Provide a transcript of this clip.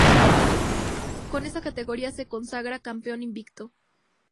Con esta categoría, se consagra campeón invicto.